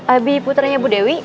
abi putranya bu dewi